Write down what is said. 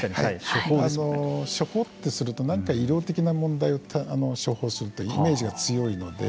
処方ってするとなんか医療的な問題を処方するというイメージが強いので。